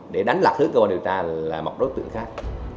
để đánh lạc hướng của người ta là một đối tượng khác